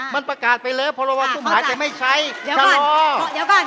มันประกายไปแล้วเพราะเดี๋ยวก่อน